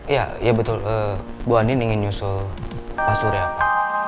iya betul bu andien ingin nyusul pak surya